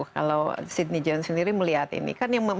kalau sidney jones sendiri melihat ini